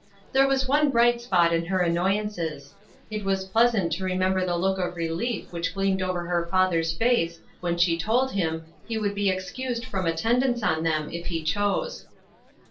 There was one bright spot in her an noyances : It was pleasant to remember the look of relief which gleamed over her father's face when she told him he could be excused from at tendance on them if he chose.